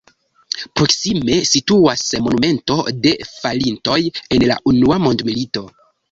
Proksime situas monumento de falintoj en la unua mondmilito.